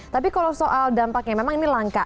tapi kalau soal dampaknya memang ini langka